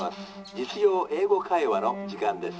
『実用英語会話』の時間です。